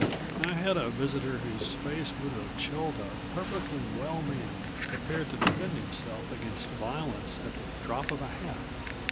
I had a visitor whose face would have chilled a perfectly well man prepared to defend himself against violence at the drop of a hat.